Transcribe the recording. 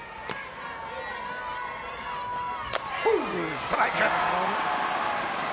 ストライク。